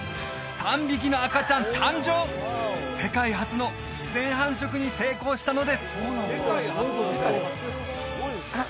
３匹の赤ちゃん誕生世界初の自然繁殖に成功したのですあっ！